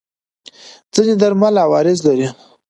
ځینې درمل عوارض لري.